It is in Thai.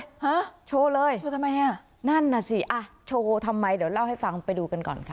ฮะโชว์เลยโชว์ทำไมอ่ะนั่นน่ะสิอ่ะโชว์ทำไมเดี๋ยวเล่าให้ฟังไปดูกันก่อนค่ะ